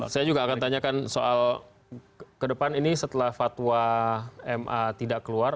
saya ingin tanyakan soal kedepan ini setelah fatwa ma tidak keluar